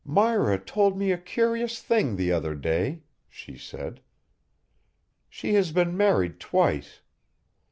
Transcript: "Myra told me a curious thing the other day," she said. "She has been married twice.